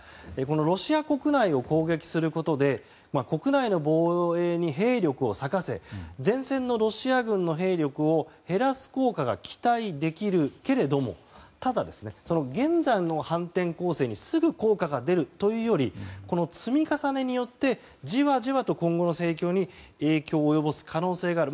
ロシア国内を攻撃することで国内の防衛に兵力を割かせ前線のロシア軍の兵力を減らす効果が期待できるけれどもただ、現在の反転攻勢にすぐ効果が出るというより積み重ねによってじわじわと今後の戦況に影響を及ぼす可能性がある。